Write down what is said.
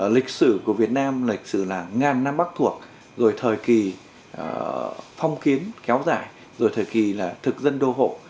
lịch sử của việt nam là ngàn năm bắc thuộc rồi thời kỳ phong kiến kéo dài rồi thời kỳ thực dân đô hộ